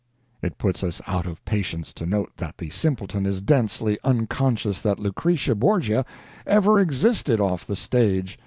It puts us out of patience to note that the simpleton is densely unconscious that Lucrezia Borgia ever existed off the stage.